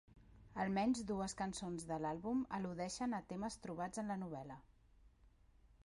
Almenys dues cançons de l'àlbum al·ludeixen a temes trobats en la novel·la.